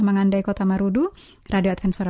mengandai kota marudu radio adventure